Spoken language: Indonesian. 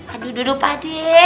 aduh aduh pade